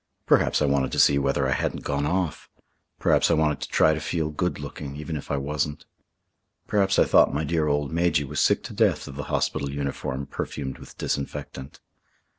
Perhaps I wanted to see whether I hadn't gone off. Perhaps I wanted to try to feel good looking even if I wasn't. Perhaps I thought my dear old Majy was sick to death of the hospital uniform perfumed with disinfectant.